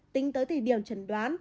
tính tới tỷ điểm chấn đoán